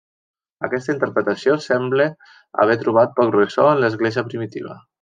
Aquesta interpretació semble haver trobat poc ressò en l'església primitiva.